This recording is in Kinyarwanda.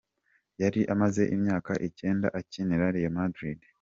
Yari amaze imyaka icyenda akinira Real Madrid.